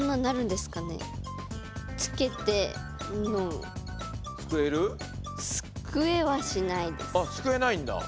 すくえる？あっすくえないんだ。